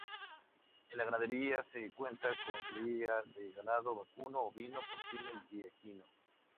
En la ganadería se cuenta con cría de ganado vacuno, ovino, porcino y equino.